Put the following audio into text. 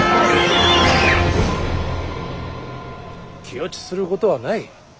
気落ちすることはない。